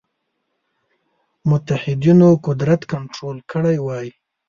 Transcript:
متحدینو قدرت کنټرول کړی وای.